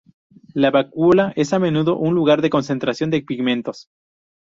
La vacuola, es a menudo un lugar de concentración de pigmentos.